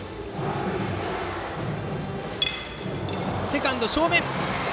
セカンド正面！